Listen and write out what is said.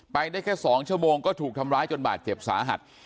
ไปได้แค่๒ชั่วโมงก็ถูกทำร้ายจนบาดเจ็บสาหัส